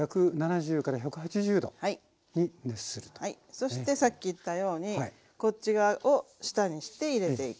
そしてさっき言ったようにこっち側を下にして入れていきます。